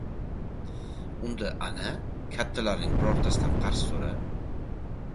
— Unda, ana, kattalarning birortasidan qarz so‘ra.